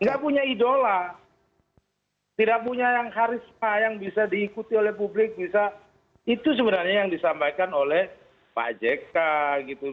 nggak punya idola tidak punya yang harisma yang bisa diikuti oleh publik bisa itu sebenarnya yang disampaikan oleh pak jk gitu